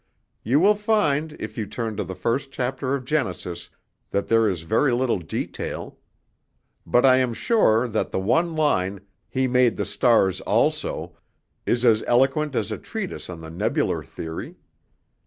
You will find, if you turn to the first chapter of Genesis, that there is very little detail; but I am sure that the one line, 'He made the stars also,' is as eloquent as a treatise on the nebular theory.